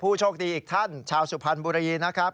โชคดีอีกท่านชาวสุพรรณบุรีนะครับ